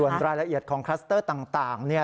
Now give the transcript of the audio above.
ส่วนรายละเอียดของคลัสเตอร์ต่าง